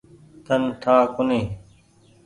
تن ٺآ ڪونيٚ ۔